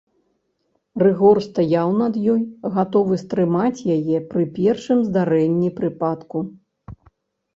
Рыгор стаяў над ёю, гатовы стрымаць яе пры першым здарэнні прыпадку.